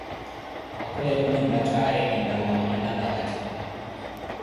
Wakhula ethu nimpatthaye ninttha waawanya vakatti.